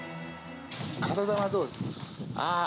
体はどうですか？